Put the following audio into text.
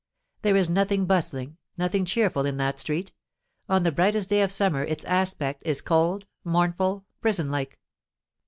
There is nothing bustling—nothing cheerful in that street: on the brightest day of summer its aspect is cold—mournful—prison like.